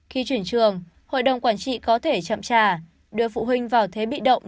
khi chuyển trường hội đồng quản trị có thể chậm trả đưa phụ huynh vào thế bị động